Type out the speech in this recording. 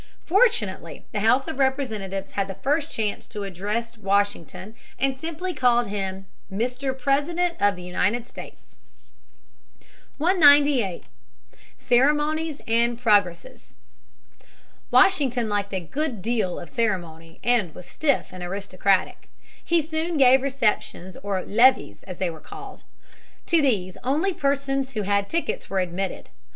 Fortunately, the House of Representatives had the first chance to address Washington and simply called him "Mr. President of the United States." [Sidenote: Ceremonies. Higginson, 222 224.] [Sidenote: Monarchical appearances.] 198. Ceremonies and Progresses. Washington liked a good deal of ceremony and was stiff and aristocratic. He soon gave receptions or "levees" as they were called. To these only persons who had tickets were admitted.